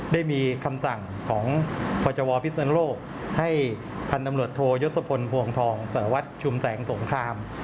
ได้มีคำสั่งของพจวพิศนุโลกให้พันธุ์ตำรวจโทยศพลพวงทองสารวัตรชุมแสงสงคราม